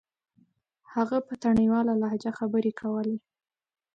هغه په تڼيواله لهجه خبرې کولې.